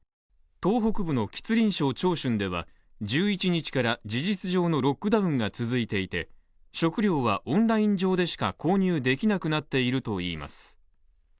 東北部の吉林省長春では１１日から事実上のロックダウンが続いていて、食料はオンライン上でしか購入できなくなっているといいます。